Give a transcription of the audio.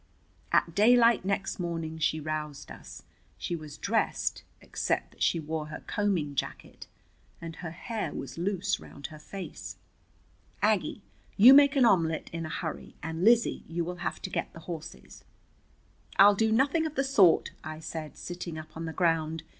At daylight next morning she roused us. She was dressed, except that she wore her combing jacket, and her hair was loose round her face. "Aggie, you make an omelet in a hurry, and, Lizzie, you will have to get the horses." "I'll do nothing of the sort," I said, sitting up on the ground.